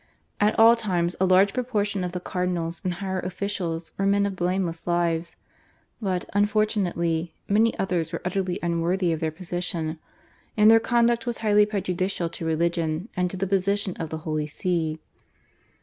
At all times a large proportion of the cardinals and higher officials were men of blameless lives, but, unfortunately, many others were utterly unworthy of their position, and their conduct was highly prejudicial to religion and to the position of the Holy See.